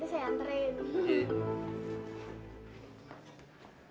nanti saya anterin